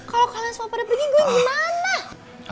kalau kalian semua pada pergi gue gimana